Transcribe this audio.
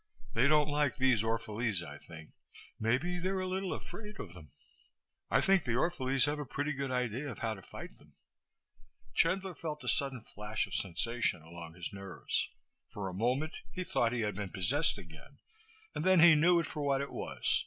They don't like these Orphalese, I think. Maybe they're a little afraid of them. I think the Orphalese have a pretty good idea of how to fight them." Chandler felt a sudden flash of sensation along his nerves. For a moment he thought he had been possessed again, and then he knew it for what it was.